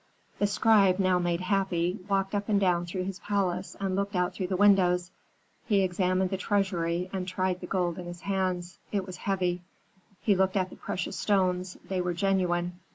"The scribe, now made happy, walked up and down through his palace and looked out through the windows. He examined the treasury and tried the gold in his hands; it was heavy. He looked at the precious stones; they were genuine.